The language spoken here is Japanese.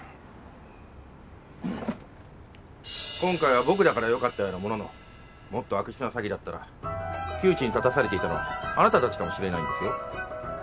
今回は僕だから良かったようなもののもっと悪質な詐欺だったら窮地に立たされていたのはあなたたちかもしれないんですよ。